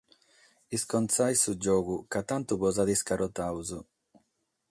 Iscontzade su giogu, ca tantu bos at iscarotados.